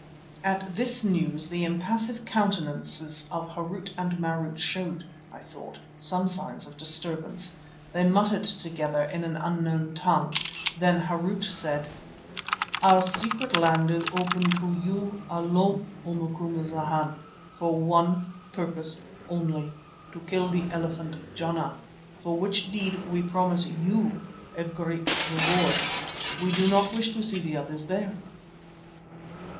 At this news the impassive countenances of Harût and Marût showed, I thought, some signs of disturbance. They muttered together in an unknown tongue. Then Harût said: "Our secret land is open to you alone, O Macumazana, for one purpose only—to kill the elephant Jana, for which deed we promise you a great reward. We do not wish to see the others there."